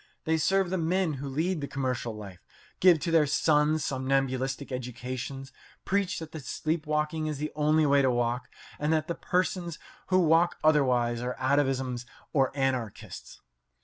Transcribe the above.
They serve the men who lead the commercial life, give to their sons somnambulistic educations, preach that sleep walking is the only way to walk, and that the persons who walk otherwise are atavisms or anarchists.